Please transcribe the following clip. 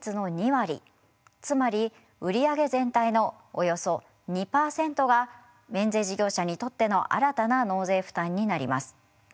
つまり売り上げ全体のおよそ２％が免税事業者にとっての新たな納税負担になります。